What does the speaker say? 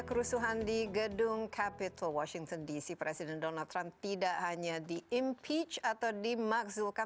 perusuhan di gedung capitol washington dc presiden donald trump tidak hanya diimpeach atau dimaksudkan